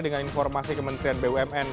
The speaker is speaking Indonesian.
dengan informasi kementerian bumn